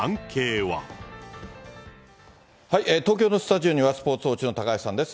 東京のスタジオには、スポーツ報知の高橋さんです。